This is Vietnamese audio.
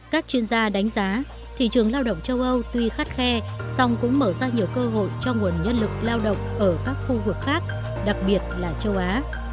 các chuyên gia đánh giá thị trường lao động châu âu tuy khắt khe song cũng mở ra nhiều cơ hội cho nguồn nhân lực lao động ở các khu vực khác đặc biệt là châu á